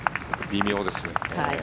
微妙ですね。